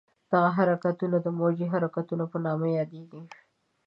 دغه حرکتونه د موجي حرکتونو په نامه یادېږي.